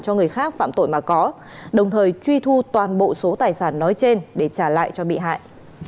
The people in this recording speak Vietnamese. cho người khác phạm tội mà có đồng thời truy thu toàn bộ số tài sản nói trên để trả lại cho bị hại